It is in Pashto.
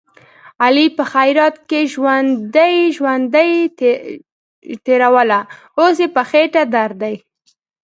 علي په خیرات کې ژوندۍ ژوندۍ تېروله، اوس یې په خېټه درد دی.